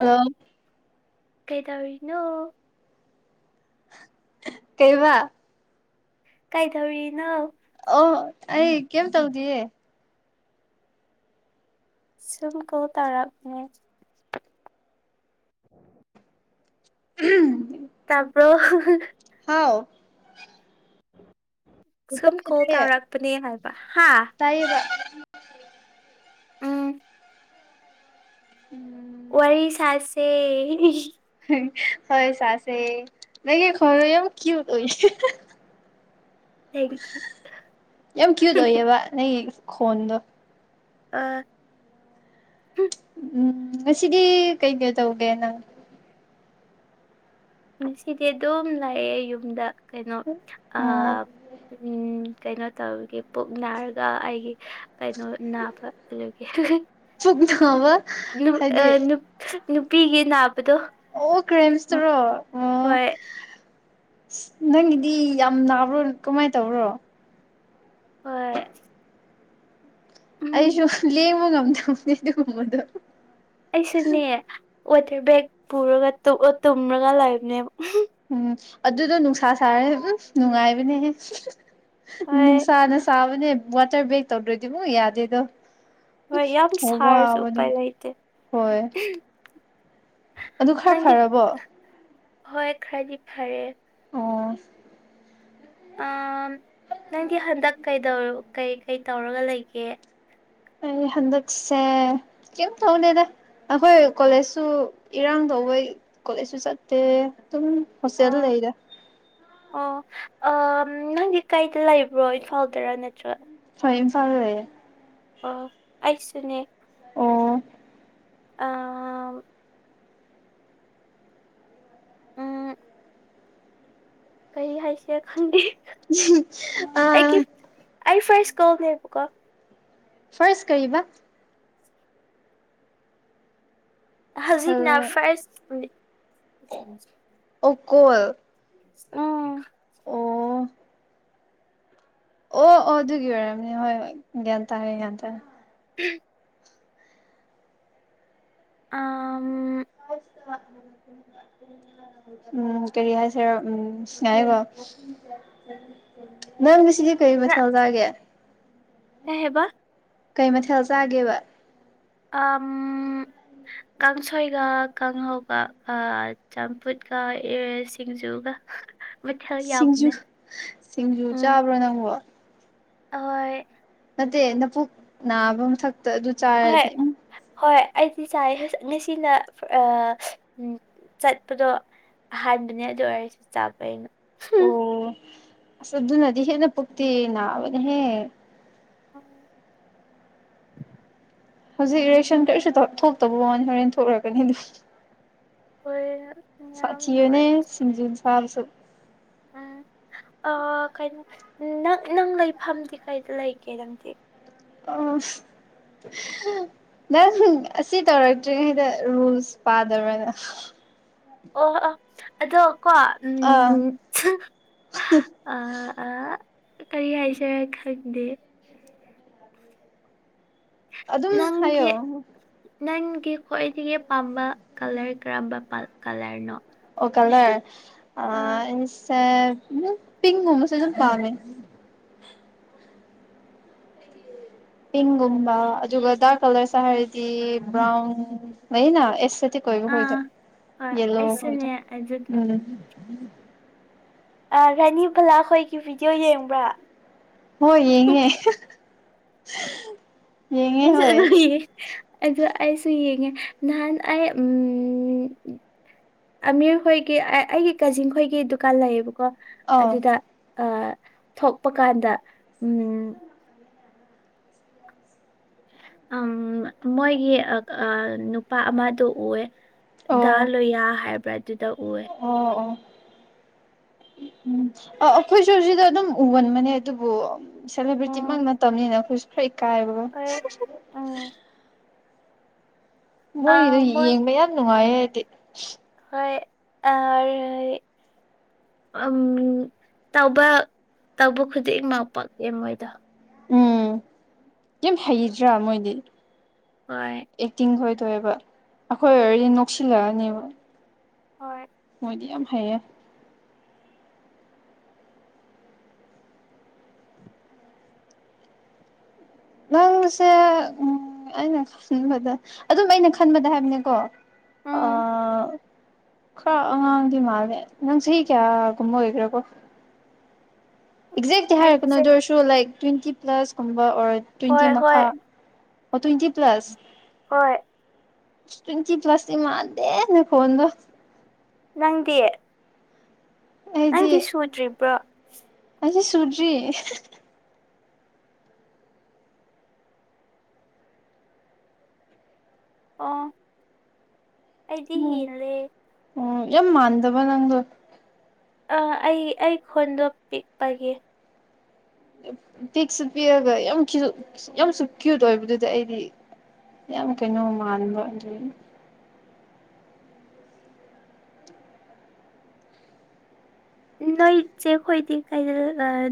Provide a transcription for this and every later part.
hello ꯀꯩ ꯗꯧꯔꯤꯅꯣ ꯀꯩꯕꯥ ꯀꯩꯗꯧꯔꯤ ꯅꯣ ꯑꯣ ꯑꯩ ꯀꯩꯝ ꯇꯧꯗꯤꯌꯦ ꯁꯨꯝ ꯀꯣꯜ ꯇꯧꯔꯛꯄꯅꯦ ꯇꯥꯄꯣ ꯑꯥꯎ ꯎꯝ ꯁꯨꯝ ꯀꯣꯜ ꯇꯥꯏꯌꯦꯇꯥꯏꯌꯦ ꯇꯧꯔꯛꯄꯅꯦ ꯍꯥꯏꯕ ꯍꯥ ꯇꯥꯏꯌꯦꯕ ꯎꯝ ꯎꯝ ꯋꯥꯔꯤ ꯁꯥꯥꯁꯦ ꯍꯣꯏ ꯁꯥꯁꯦ ꯅꯪꯒꯤ ꯈꯣꯜꯗꯣ ꯌꯥꯝ ꯀꯨꯏꯠ ꯑꯣꯏꯌꯦ ꯊꯦꯡꯀ꯭ꯌꯨ ꯌꯥꯝ ꯀ꯭ꯨꯠꯏ ꯑꯣꯏꯌꯦꯕ ꯅꯪꯒꯤ ꯈꯣꯟꯗꯣ ꯑꯥ ꯎꯝ ꯉꯁꯤꯗꯤ ꯀꯩ ꯀꯩ ꯇꯧꯒꯦ ꯅꯪ ꯉꯁꯤꯗꯤ ꯑꯗꯨꯝ ꯂꯩꯑꯦ ꯌꯨꯝꯗ ꯀꯩꯅꯣ ꯑ ꯎꯝ ꯎꯝ ꯀꯩꯅꯣ ꯇꯧꯔꯒꯤ ꯄꯨꯛ ꯅꯥꯔꯒ ꯑꯩꯒꯤ ꯀꯩꯅꯣ ꯅꯥꯕ ꯑꯗꯨꯒꯤ [unintelligible] ꯅꯨ ꯍꯥꯏꯗꯤ ꯑ ꯅꯨꯄ ꯅꯨꯄꯤꯒꯤꯅꯄ ꯑꯣ ꯀ꯭ꯔꯦꯁꯇ꯭ꯔꯣ ꯑꯣ ꯍꯣꯏ ꯅꯪꯒꯤꯗꯤ ꯌꯥꯝ ꯅꯥꯕ꯭ꯔꯣ ꯀꯃꯥꯏꯅ ꯇꯧꯕ꯭ꯔꯣ ꯍꯣꯏ ꯎꯝ ꯑꯩꯁꯨ ꯂꯦꯡꯕ ꯉꯝꯗꯕꯅꯤ ꯑꯗꯨꯒꯨꯝꯕꯗꯣ ꯑꯩꯁꯨꯅꯦ ꯋꯥꯇꯔ ꯕꯦꯒ ꯄꯨꯔꯒ ꯇꯣꯑꯣꯇꯨꯝꯔꯒ ꯂꯩꯕꯅꯦꯕ ꯎꯝ ꯑꯗꯨꯗꯣ ꯅꯨꯡꯁꯥ ꯁꯥꯔꯥ ꯑꯨꯐ ꯅꯨꯡꯉꯥꯏꯕꯅꯦꯍꯦ ꯍꯣꯏ ꯅꯨꯡꯁꯥꯅ ꯁꯥꯕꯅꯦ ꯋꯥꯇꯔ ꯕꯦꯛ ꯇꯧꯗꯥꯔꯗꯤ ꯃꯨꯛ ꯌꯥꯗꯦꯗꯣ ꯍꯣꯏ ꯌꯥꯝ ꯑꯣ ꯁꯥꯔꯁꯨ ꯋꯥꯕꯅꯤ ꯎꯄꯥꯏ ꯂꯩꯇꯦ ꯍꯣꯏ ꯑꯗꯨ ꯈꯔ ꯅꯪꯗꯤ ꯐꯔꯕꯣ ꯍꯣꯏ ꯈꯥꯔꯗꯤ ꯐꯔꯦ ꯑꯣ ꯑ ꯅꯪꯗꯤ ꯍꯟꯗꯛ ꯀꯩꯗꯧꯀꯩ ꯇꯧꯔꯒ ꯂꯩꯒꯦ ꯑꯩ ꯍꯟꯗꯛꯁꯦ ꯀꯝ ꯇꯧꯗꯦꯗ ꯑꯩꯈꯣꯏ ꯀꯣꯂꯦꯖꯁꯨ ꯏꯔꯥꯡ ꯇꯧꯕꯩ ꯀꯣꯂꯦꯖꯁꯨ ꯆꯠꯇꯦ ꯑꯗꯨꯝ ꯍꯣꯁꯇꯦꯜ ꯂꯩꯔꯦ ꯑꯣꯑ ꯅꯪꯒꯤ ꯀꯥꯏꯗ ꯂꯩꯕ꯭ꯔꯣ ꯏꯝꯐꯥꯜꯗꯔ ꯅꯠꯇ꯭ꯔ ꯍꯣꯏ ꯏꯝꯐꯥꯜ ꯂꯩꯌꯦ ꯑꯣ ꯑꯩꯁꯨꯅꯦ ꯑꯣ ꯑ ꯀꯩ ꯍꯥꯏꯁꯤꯔ ꯈꯪꯗꯦ ꯑꯥ ꯑꯩꯒꯤ ꯑꯩ ꯐꯥꯔꯁ ꯀꯣꯜꯅꯦꯕꯀꯣ ꯐꯥꯔꯁ ꯀꯩꯕ ꯍꯧꯖꯤꯛꯅ ꯐꯥꯔꯁ ꯑꫭ ꯀꯣꯜ ꯑꯝ ꯑꯣ ꯑꯣ ꯑꯗꯨꯒꯤ ꯑꯣꯏꯔꯝꯅꯤ ꯍꯣꯏ ꯍꯣꯏ ꯒ꯭ꯌꯥꯟ ꯇꯥꯔꯦ ꯌꯥꯟ ꯇꯥꯔꯦ [inaudible] ꯑꯝ [inaudible] ꯎꯝ ꯀꯔꯤ ꯍꯥꯏꯁꯦꯔ ꯎꯝ ꯉꯥꯏꯌꯣꯀꯣ ꯅꯪ ꯉꯁꯤꯒꯤ ꯀꯩ ꯃꯊꯦꯜ ꯆꯥꯒꯦ ꯀꯩ ꯍꯥꯏꯕ ꯀꯩ ꯃꯊꯦꯜ ꯆꯥꯒꯦꯕ ꯑꯝ ꯀꯥꯡꯁꯣꯏꯒ ꯀꯥꯡꯍꯧꯒ ꯑ ꯆꯝꯐꯨꯠꯀ [unintelligible] ꯁꯤꯡꯖꯨꯒ ꯃꯊꯦꯜ ꯁꯤꯡꯖꯨ ꯌꯥꯝꯕꯅꯦ ꯁꯤꯡꯖꯨ ꯎꯝ ꯆꯥꯕ꯭ꯔꯣ ꯅꯪꯕꯣ ꯍꯣꯏ ꯅꯠꯇꯦ ꯅꯄꯨꯨꯛ ꯅꯥꯕ ꯃꯊꯛꯇ ꯑꯗꯨ ꯍꯣꯏ ꯆꯥꯔꯗꯤ ꯎꯝ ꯍꯣꯏ ꯑꯩꯗꯤ ꯆꯥꯏ ꯉꯁꯤꯅ [unintelligible] ꯑ ꯆꯠꯄꯗꯣ ꯍꯥꯏꯕꯅꯦ ꯑꯗꯨ ꯑꯣꯏꯔꯁꯨ ꯆꯥꯕ ꯑꯩꯅ ꯍꯨꯝ ꯑꯣ ꯑꯁ ꯑꯗꯨꯅꯗꯤ ꯍꯦꯟꯅ ꯄꯨꯛꯇꯤ ꯅꯥꯕꯅꯦꯍꯦ [unintelligible] ꯍꯧꯖꯤꯛ ꯏꯔꯦꯛꯁꯟ ꯀꯔꯤꯁꯨ [unintelligible] ꯊꯣꯛꯇꯕ ꯋꯥꯅꯤ ꯍꯣꯔꯦꯟ ꯊꯣꯔꯛꯀꯅꯤ ꯑꯗꯨ ꯌꯥꯝ ꯁꯥꯊꯤꯕꯅꯦ ꯅꯨꯡꯉꯥꯏꯇꯦ ꯁꯤꯡꯖꯨ ꯆꯥꯔꯁꯨ ꯎꯝ ꯑ ꯀꯩꯅꯣ ꯅꯪ ꯅꯪ ꯂꯩꯐꯝꯗꯤ ꯀꯩꯗ ꯂꯩꯒꯦ ꯅꯪꯗꯤ ꯑꯁ ꯅꯪ ꯑꯁꯤ ꯇꯧꯔꯛꯇ꯭ꯔꯤꯉꯩꯗ ꯔꯨꯜꯁ ꯄꯥꯗꯕ꯭ꯔ ꯅꯪ ꯑꯣ ꯑꫭ ꯑꯗꯣ ꯀꯣ ꯑꯥ ꯎꯝ ꯑ ꯑ ꯀꯔꯤ ꯍꯥꯏꯁꯤꯔ ꯈꯪꯗꯦ ꯑꯗꯨꯝ ꯅꯪꯒꯤ ꯍꯥꯏꯌꯣ ꯅꯪꯒꯤ ꯈ꯭ꯋꯥꯏꯗꯒꯤ ꯄꯥꯝꯕ ꯀꯂꯔ ꯀꯔꯝꯕ [unintelligible] ꯀꯂꯔꯅꯣ ꯑꯣ ꯀꯂꯔ ꯑ ꯑꯥ ꯑꯩꯁꯦ ꯄꯤꯡꯒꯨꯝꯕꯁꯨ ꯑꯗꯨꯝ ꯄꯥꯝꯃꯦ [inaudible] ꯄꯤꯡꯒꯨꯝꯕ ꯑꯗꯨꯒ ꯗꯥꯔꯛ ꯀꯂꯔꯁꯨ ꯍꯥꯏꯔꯗꯤ ꯕ꯭ꯔꯥꯎꯟ ꯂꯩꯌꯦꯅ ꯑꯦꯁ ꯊꯦꯊꯤꯛ ꯑꫭꯏꯕ ꯑꯥ ꯈꫭꯏꯗꫭ ꯍꯣꯏ ꯌꯦꯂꯣ ꯑꯩꯁꯨꯅꯦ ꯍꫭꯏꯗꫭ ꯑꯗꯨꯗꯣ ꯎꯝ ꯑ ꯔꯥꯅꯤꯕꯂꯥꯈꯣꯏꯒꯤ ꯚꯤꯗꯤꯑꯣ ꯌꯦꯡꯕ꯭ꯔ ꯍꯣꯏ ꯌꯦꯡꯉꯦ ꯌꯦꯡꯉꯦ ꯑꯩꯁꯨ ꯍꯣꯏ ꯑꯗꯨ ꯌꯦ ꯑꯗꯨ ꯑꯩꯁꯨ ꯌꯦꯡꯉꯦ ꯅꯍꯥꯟ ꯑꯩ ꯎꯝ ꯑꯃꯤꯔꯈꯣꯏꯒꯤ ꯑꯩꯒꯤ ꯀꯖꯤꯟ ꯈꯣꯏꯒꯤ ꯗꯨꯀꯥꯟ ꯂꯩꯌꯦꯕꯀꯣ ꯑꯧ ꯑꯗꯨꯗ ꯑ ꯊꯣꯛꯄ ꯀꯥꯟꯗ ꯎꯝ ꯎꯝ ꯃꯣꯏꯒꯤ ꯅꯨꯄꯥ ꯑꯃꯗꯣ ꯎꯋꯦ ꯑꯣ ꯗꯥ ꯂꯣꯌꯥ ꯍꯥꯏꯕ꯭ꯔꯥ ꯑꯗꯨꯗ ꯎꯋꯦ ꯑꯣ ꯑꯣ ꯎꯝ ꯑ ꯑꯩꯈꯣꯏ ꯁꯨ ꯁꯤꯗ ꯑꯗꯨꯝ ꯎꯒꯟꯕꯅꯦ ꯑꯗꯨꯕꯨ ꯁꯦꯂꯦꯕ꯭ꯔꯤꯇꯤꯃꯛ ꯎꯝ ꯅꯠꯇꯕꯅꯤꯅ ꯑꯩꯈꯣꯏꯁꯨ ꯈ꯭ꯔꯥ ꯐꯀꯥꯏꯕꯀꯣ ꯍꯣꯏ ꯎꯝ ꯑ ꯃꯣꯏꯒꯤꯗꯣ ꯃꯣꯏ ꯌꯦꯡꯕ ꯌꯥꯝ ꯅꯨꯡꯉꯥꯏꯌꯦ ꯑꯩꯗꯤ ꯍꯣꯏ ꯑ ꯑꯔꯤꯔꯤ ꯎꯝ ꯇꯧꯕ ꯇꯧꯕ ꯈꯨꯗꯤꯡꯃꯛ ꯄꯥꯛꯑꯦ ꯃꯣꯏꯗ ꯎꯝ ꯌꯝ ꯍꯩꯗ꯭ꯔꯥ ꯃꯣꯏꯗꯤ ꯍꯣꯏ ꯑꯦꯛꯇꯤꯡ ꯍꯣꯏ ꯇꯧꯋꯦꯕ ꯑꯩꯈꯣꯏ ꯑꯣꯏꯔꯗꯤ ꯅꯣꯛꯁꯤꯜꯂꯛꯑꯅꯦꯕ ꯍꯣꯏ ꯃꯣꯏꯗꯤ ꯌꯥꯝ ꯍꯩꯌꯦ ꯅꯪꯁꯦ ꯎꯝ ꯑꯩꯅ ꯈꯟꯕꯗ ꯑꯗꯨꯝ ꯑꯩꯅ ꯈꯟꯕꯗ ꯍꯥꯏꯕꯅꯦꯀꯣ ꯎꯝ ꯈ꯭ꯔꯥ ꯑꯉꯥꯡꯗꯤ ꯃꯥꯜꯂꯦ ꯅꯪ ꯆꯍꯤ ꯀꯌꯥꯒꯨꯝꯕ ꯑꯣꯏꯒꯦꯔꯀꯣ ꯑꯦꯛꯖꯦꯛꯇꯤ ꯍꯥꯏꯔꯛꯀꯅꯨ ꯑꯩꯁꯦ ꯑꯗꯨ ꯑꯣꯏꯔꯁꯨ ꯂꯥꯏꯛ ꯇ꯭ꯋꯦꯟꯇꯤ ꯄ꯭ꯂꯁꯀꯨꯝꯕ ꯑꯣꯔ ꯍꯣꯏ ꯇ꯭ꯋꯦꯟꯇꯤ ꯍꯣꯏ ꯃꯈꯥ ꯑꯣ ꯇ꯭ꯋꯦꯟꯇꯤ ꯄ꯭ꯂꯥꯁ ꯍꯣꯏ ꯇꯣꯏꯟꯇꯤ ꯄꯂꯁ ꯇꯤ ꯃꯥꯟꯗꯦ ꯅꯈꯣꯟꯗꯣ ꯅꯪꯗꯤ ꯅꯪꯗꯤ ꯁꯨꯗ꯭ꯔꯤꯕ꯭ꯔꯣ ꯑꯩꯁꯨ ꯁꯨꯗꯔꯤ ꯑꯣ ꯑꯩꯗꯤ ꯎꯝ ꯍꯦꯜꯂꯦ ꯎꯝ ꯌꯥꯝ ꯃꯥꯟꯗꯕ ꯅꯪꯗꯣ ꯑ ꯑꯩ ꯑꯩ ꯈꯣꯟꯗꯣ ꯄꯤꯛꯄꯒꯤ ꯄꯤꯛꯁꯨ ꯄꯤꯛꯑꯥꯒ ꯌꯥꯝ ꯌꯥꯝꯁꯨ ꯀ꯭ꯌꯨꯠ ꯑꯣꯏꯕꯗꯨꯗ ꯑꯩꯗꯤ ꯌꯥꯝ ꯀꯩꯅꯣ ꯃꯥꯟꯕ ꯑꯗꯨ ꯅꯣꯏ ꯆꯦꯈꯣꯏꯗꯤ ꯀꯗ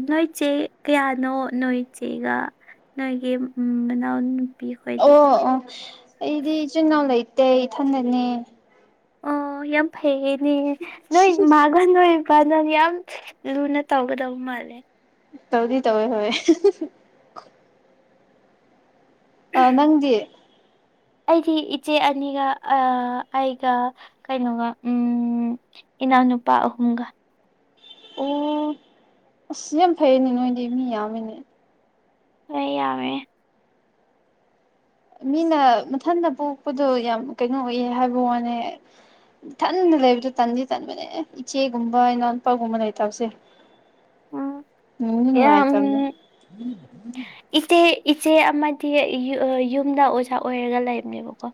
ꯅꯣꯏꯆꯦ ꯀꯌꯥꯅꯣ ꯅꯣꯏ ꯆꯦꯒ ꯅꯣꯏꯒꯤ ꯃꯅꯥꯑꯣ ꯑꯣ ꯑꯣ ꯑꯩꯗꯤ ꯏꯆꯤꯜ ꯏꯅꯥꯎ ꯂꯩꯇꯦ ꯏꯊꯟꯗꯅꯦ ꯑꯣ ꯌꯥꯝ ꯐꯩꯅꯦ ꯅꯣꯏ ꯃꯥꯒ ꯅꯣꯏ ꯀ ꯅ ꯌꯥꯝ ꯂꯨꯅ ꯇꯧꯒꯗꯧ ꯃꯥꯜꯂꯦ ꯇꯧꯗꯤ ꯇꯧꯋꯦ ꯍꯦ ꯑ ꯅꯪꯗꯤ ꯑꯩꯗꯤ ꯏꯆꯦ ꯑꯅꯤꯒ ꯑꯩꯒ ꯀꯩꯅꯣꯒ ꯎꯝ ꯏꯅꯥꯎꯅꯨꯄꯥ ꯑꯍꯨꯝꯒ ꯑꯣ ꯑꯁ ꯌꯥꯝ ꯐꯩꯅꯦ ꯅꯣꯏꯗꯤ ꯃꯤ ꯌꯥꯝꯃꯤꯅꯦ ꯍꯣꯏ ꯌꯥꯝꯃꯦ ꯃꯤꯅ ꯃꯊꯟꯇ ꯄꯣꯛꯄꯗꯣ ꯌꯥꯝ ꯀꯩꯅꯣ ꯑꯣꯏꯌꯦ ꯍꯥꯏꯕ ꯋꯥꯅꯦ ꯊꯟꯗ ꯂꯩꯕꯗꯣ ꯇꯟꯗꯤ ꯇꯟꯕꯅꯦ ꯏꯆꯦꯒꯨꯝꯕ ꯏꯅꯥꯎꯄꯥꯒꯨꯝꯕ ꯂꯩꯇꯕꯁꯦ ꯎꯝ ꯅꯨꯡꯁꯨ ꯌꯥꯝ ꯅꯨꯡꯉꯥꯏꯇꯕꯅꯤ ꯏꯆꯦ ꯏꯆꯦ ꯑꯃꯗꯤ ꯌꯨꯝꯗ ꯑꯣꯖꯥ ꯑꯣꯏꯔꯒ ꯂꯩꯕꯅꯦꯕꯀꯣ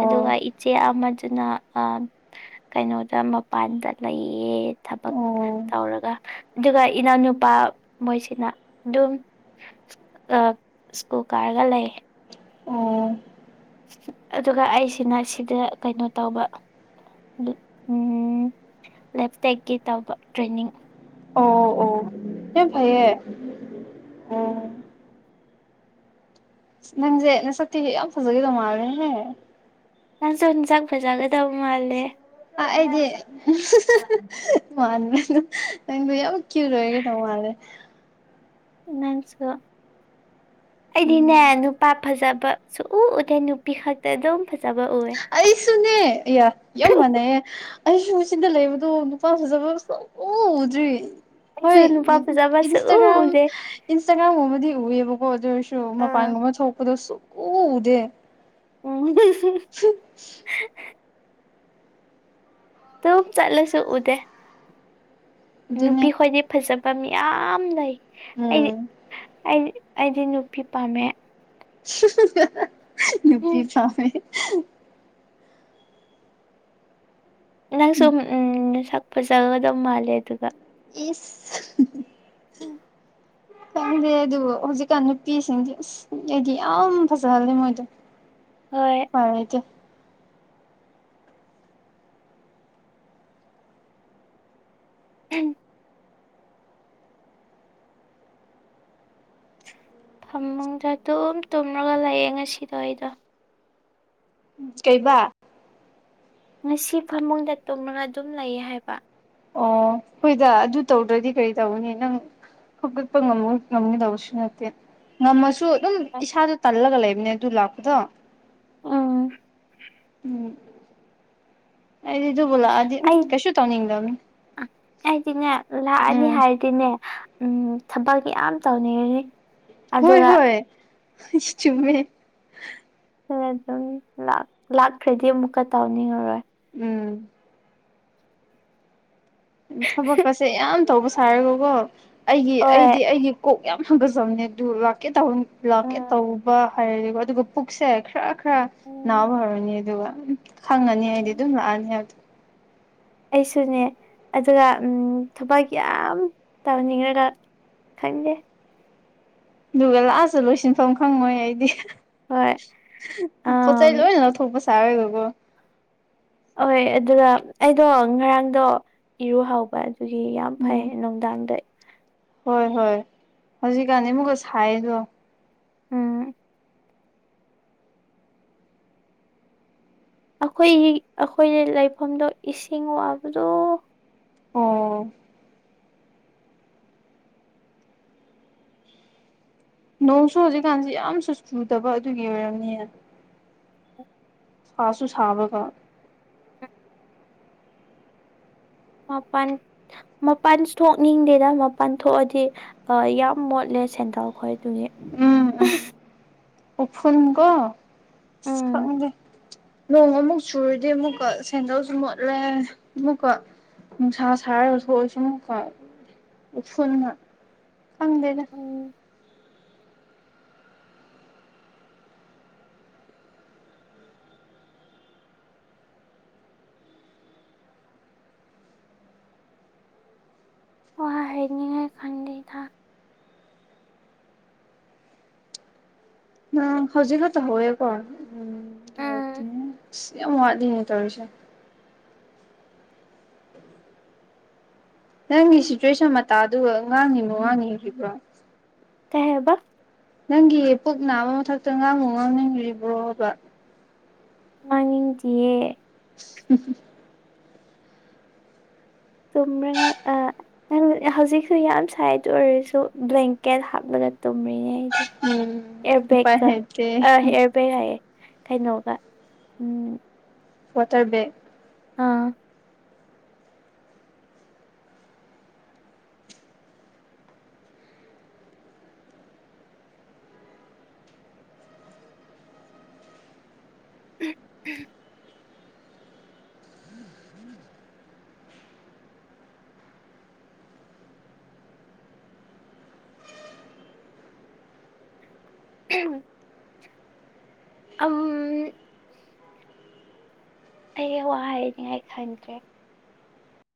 ꯑꯗꯨꯒ ꯏꯆꯦ ꯑꯃꯖꯨ ꯑꯗꯨꯅ ꯀꯩꯅꯣꯗ ꯃꯄꯥꯟꯗ ꯂꯩꯌꯦ ꯊꯕꯛ ꯑꯣ ꯇꯧꯔꯒ ꯑꯗꯨꯒ ꯏꯅꯥꯎꯅꯨꯄꯥ ꯃꯣꯏꯁꯤꯅ ꯑꯗꯨꯝ ꯁ꯭ꯀꯨꯜ ꯀꯥꯔꯒ ꯂꯩ ꯑꯣ ꯑꯗꯨꯒ ꯑꯩꯁꯤꯅ ꯁꯤꯗ ꯀꯩꯅꯣ ꯇꯧꯕ ꯎꯝ ꯂꯦꯞꯇꯦꯛꯀꯤ ꯇꯝꯕ ꯇ꯭ꯔꯦꯟꯅꯤꯡ ꯑꯣ ꯑꯣ ꯑꯦ ꯌꯥꯝꯅꯥ ꯐꯩꯌꯦ ꯑꯣ ꯅꯪꯁꯦ ꯅꯁꯛꯇꯤ ꯌꯥꯝ ꯐꯖꯈꯤꯗꯧ ꯃꯥꯜꯂꯦꯍꯦ ꯅꯥꯪꯁꯨ ꯑꯦꯟꯖꯥꯡ ꯐꯖꯅ ꯑ ꯑꯩꯗꯤ ꯃꯥꯂꯦ ꯅꯪꯗ ꯌꯥꯝ ꯀ꯭ꯌꯨꯠ ꯑꯣꯏꯗꯧ ꯃꯥꯜꯂꯦ ꯅꯪꯁꯨ ꯑꯩꯗꯤꯅꯦ ꯎꯝ ꯅꯨꯄꯥ ꯐꯖꯕ ꯁꯨꯛ ꯎ ꯎꯗꯦ ꯅꯨꯄꯤ ꯈꯇ ꯑꯗꯨꯝ ꯐꯖꯕ ꯎꯑꯦ ꯑꯩꯁꯨꯨꯅꯦ ꯏꯌꯥ ꯌꯥꯝ ꯃꯥꯟꯅꯩꯌꯦ ꯑꯩꯁꯨ ꯁꯤꯗ ꯂꯩꯕꯗꯣ ꯅꯨꯄꯥ ꯐꯖꯕ ꯁꯨꯛꯎ ꯎꯗ꯭ꯔꯤ ꯑꯩꯁꯨ ꯍꯣꯏ ꯅꯨꯄꯥ ꯐꯖꯕ ꯁꯨꯛꯎ ꯏꯟꯁꯇꯥꯒ꯭ꯔꯥꯝ ꯎꯗꯦ ꯏꯟꯁꯇꯥꯒ꯭ꯔꯥꯝꯒꯨꯝꯕꯗꯤ ꯎꯑꯦꯕꯀꯣ ꯑꯗꯨꯑꯣꯏꯁꯨ ꯑꯥ ꯃꯄꯥꯟ ꯒꯨꯝꯕ ꯊꯣꯛꯄꯗꯨ ꯁꯨꯛꯎ ꯎꯗꯦ [unintelligible] ꯑꯗꯨꯝ ꯆꯠꯂꯁꯨ ꯎꯗꯦ ꯑꯗꯨꯅꯦ ꯅꯨꯄꯤ ꯈꯣꯏꯗꯤ ꯐꯖꯕ ꯃꯤꯌꯥꯝ ꯂꯩ ꯑꯩꯗꯤ ꯎꯝ ꯑꯩꯗꯤ ꯑꯩꯗꯤ ꯅꯨꯄꯤ ꯄꯥꯝꯃꯦ ꯅꯨꯄꯤ ꯎꯝ ꯄꯥꯝꯃꯦ ꯅꯪꯁꯨ ꯎꯟ ꯅꯁꯛ ꯐꯖꯒꯗ ꯃꯥꯜꯂꯦ ꯑꯗꯨꯒ ꯏꯁ ꯎꯝ ꯈꯪꯗꯦ ꯑꯗꯨꯕꯨ ꯍꯧꯖꯤꯛꯀꯥꯟ ꯅꯨꯄꯤꯁꯤꯡꯗꯤ ꯑꯁ ꯑꯩꯗꯤ ꯌꯥꯝ ꯐꯖꯍꯜꯂꯦ ꯃꯣꯏꯗꯣ ꯍꯣꯏ ꯎꯄꯥꯢ ꯂꯩꯇꯦ [unintelligible] ꯐꯃꯨꯡꯗ ꯑꯗꯨꯝ ꯇꯨꯝꯔꯒ ꯂꯩꯌꯦ ꯉꯁꯤꯗꯣ ꯑꯩꯗꯣ ꯀꯩꯕ ꯉꯁꯤ ꯐꯃꯨꯡꯗ ꯇꯨꯝꯔꯒ ꯑꯗꯨꯝ ꯂꯩ ꯍꯥꯏꯕ ꯑꯣ ꯍꯣꯏꯗ ꯑꯗꯨ ꯇꯧꯗ꯭ꯔꯗꯤ ꯀꯔꯤ ꯇꯧꯒꯅꯤ ꯅꯪ ꯍꯧꯒꯠꯄ ꯉꯝꯃ ꯉꯝꯒꯗꯕꯁꯨ ꯅꯠꯇꯦ ꯉꯝꯃꯁꯨ ꯑꯗꯨꯝ ꯏꯁꯥꯗꯣ ꯇꯜꯂꯒ ꯂꯩꯕꯅꯦ ꯑꯗꯨ ꯂꯥꯛꯄꯗꯣ ꯎꯝ ꯎꯝ ꯑꯩꯗꯤ ꯑꯗꯨꯕꯨ ꯂꯥꯛꯑꯗꯤ ꯑꯩ ꯀꯩꯁꯨ ꯇꯧꯅꯤꯡꯗꯕꯅꯦ ꯑꯩꯗꯤꯅꯦ ꯂꯥꯛꯑꯅꯤ ꯍꯥꯏꯔꯗꯤꯅꯦ ꯎꯝ ꯊꯕꯛ ꯌꯥꯝ ꯇꯧꯅꯤꯡꯔꯅꯤ ꯍꯣꯏ ꯍꯣꯏ ꯆꯨꯝꯃꯦ ꯄꯦꯔꯦꯗ ꯇꯧꯅꯤ ꯂꯥꯛꯈ꯭ꯔꯗꯤ ꯑꯃꯨꯛꯀ ꯇꯥꯎꯅꯤꯡꯉꯔꯣꯏ ꯎꯝ ꯊꯕꯛꯀꯁꯦ ꯌꯥꯝ ꯇꯧꯕ ꯁꯥꯔꯒꯀꯣ ꯑꯩꯒꯤ ꯍꯣꯏ ꯑꯩꯗꯤ ꯑꯩꯒꯤ ꯀꯣꯛ ꯌꯥꯝ ꯍꯒꯠꯆꯕꯅꯦ ꯑꯗꯨ ꯂꯥꯛꯀꯦ ꯇꯧ ꯂꯥꯛꯀꯦ ꯎꯝ ꯇꯧꯕ ꯍꯥꯏꯔꯗꯤꯀꯣ ꯑꯗꯨꯒ ꯄꯨꯛꯁꯦ ꯈꯔ ꯈꯔ ꯅꯥꯕ ꯎꯝ ꯍꯧꯔꯅꯤ ꯑꯗꯨꯒ ꯈꯪꯉꯅꯤ ꯑꯩꯗꯤ ꯑꯗꯨꯝ ꯂꯥꯛꯑꯅꯤ ꯍꯥꯏꯕꯗꯣ ꯑꯩꯁꯨꯅꯦ ꯑꯗꯨꯒ ꯎꯝ ꯊꯕꯛ ꯌꯥꯝ ꯇꯧꯅꯤꯡꯉꯒ ꯈꯪꯗꯦ ꯑꯗꯨꯒ ꯂꯥꯁꯇ ꯂꯣꯏꯁꯤꯟꯐꯝ ꯈꯪꯉꯣꯏ ꯑꯩꯗꯤ ꯍꯣꯏ ꯄꯣꯠ ꯆꯩ ꯑꯝ ꯂꯣꯏꯅ ꯂꯧꯊꯣꯛꯄ ꯁꯥꯔꯒ ꯀꯣ ꯑꫭꯏ ꯑꯗꯨꯗ ꯑꯩꯗꯣ ꯉꯔꯥꯡꯗꯣ ꯏꯔꯨ ꯍꯧꯕ ꯑꯗꯨꯒꯤ ꯌꯥꯝ ꯐꯩ ꯎꯝ ꯅꯨꯡꯗꯥꯡꯗ ꯍꯣꯏ ꯍꯣꯏ ꯍꯧꯖꯤꯛꯀꯥꯟꯗꯤ ꯑꯃꯨꯛꯀ ꯁꯥꯏꯗꯣ ꯎꯝ ꯑꯈꯣꯏꯒꯤ ꯑꯈꯣꯏꯅ ꯂꯩꯐꯝꯗꯣ ꯏꯁꯤꯡ ꯋꯥꯕꯗꯣ ꯑꯣ ꯅꯣꯡꯁꯨ ꯍꯧꯖꯤꯛꯀꯥꯟꯁꯤ ꯌꯥꯝꯁꯨ ꯆꯨꯗꯕ ꯑꯗꯨꯒꯤ ꯑꯣꯏꯔꯝꯅꯤꯌꯦ [inaudible] ꯁꯥꯁꯨ ꯁꯥꯕꯒ ꯃꯄꯥꯟ ꯃꯄꯥꯟꯁꯨ ꯊꯣꯛꯅꯤꯡꯗꯦꯗ ꯃꯄꯥꯟ ꯊꯣꯛꯑꯗꯤ ꯑ ꯌꯥꯝ ꯃꯣꯠꯂꯦ ꯁꯦꯟꯗꯜ ꯈꯣꯏ ꯗꯨꯒꯤ ꯎꯐꯨꯟ ꯀꯣ ꯑꯁ ꯎꯝ ꯈꯪꯗꯦ ꯅꯣꯡ ꯑꯃꯨꯛ ꯆꯨꯔꯗꯤ ꯑꯃꯨꯛꯀ ꯁꯦꯟꯗꯜꯁꯨ ꯃꯣꯠꯂꯦ ꯑꯃꯨꯛꯀ ꯅꯨꯡꯁꯥ ꯁꯥꯔꯒꯁꯨ ꯑꯣꯏꯁꯅꯨ ꯑꯃꯨꯛꯀ ꯎꯐꯨꯟꯅ ꯈꯪꯗꯦꯗ ꯎꯝ ꯋꯥꯏꯅꯦ ꯈꯪꯗꯦꯗ ꯅꯪ ꯍꯧꯖꯤꯛꯈꯠꯇ ꯍꯋꯦ ꯀꯣ ꯑꯝ ꯎꯝ ꯌꯥꯝ ꯋꯥꯠꯂꯤꯅꯦ ꯇꯧꯔꯤꯁꯦ ꯅꯪꯒꯤ ꯁꯤꯆ꯭ꯋꯦꯁꯟ ꯃꯇꯥꯗꯨꯒ ꯉꯥꯡꯉꯤ [unintelligible] ꯉꯥꯡꯔꯤꯕ꯭ꯔꯣ ꯀꯩ ꯍꯥꯏꯕ ꯅꯪꯒꯤ ꯄꯨꯛ ꯅꯥꯕ ꯃꯊꯛꯇ ꯉꯥꯡꯕꯨ ꯉꯥꯡꯅꯤꯡꯔꯤꯕ꯭ꯔꯣꯕ ꯉꯥꯡꯅꯤꯡꯗꯤꯌꯦ [unintelligible] ꯇꯨꯝꯔꯤꯡ ꯔꯛꯑ [unintelligible] ꯍꯧꯖꯤꯛꯁꯨ ꯌꯥꯝ ꯁꯥꯏ ꯑꯗꯨ ꯑꯣꯏꯔꯁꯨ ꯕ꯭ꯂꯦꯡꯀꯦꯠ ꯍꯥꯞꯂꯒ ꯇꯨꯝ ꯔꯤꯅꯦ ꯑꯩꯗꫭ ꯎꯝ ꯎꯄꯥꯏ ꯏꯔꯕꯦꯛꯀ ꯂꯩꯇꯦ ꯑ ꯏꯔꯕꯦꯛ ꯍꯥꯏꯌꯦ ꯀꯩꯅꯣꯒ ꯎꯝ ꯋꯥꯇꯔ ꯕꯦꯛ ꯑꯥ [inaudible] [unintelligible] ꯑꯝ ꯑꯩ ꯋꯥ ꯍꯥꯏꯅꯤꯡꯉꯥꯏ ꯈꯪꯗ꯭ꯔꯦ